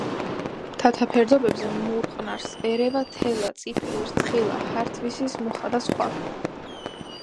მთათა ფერდობებზე მურყნარს ერევა თელა, წიფელი, რცხილა, ჰართვისის მუხა და სხვა.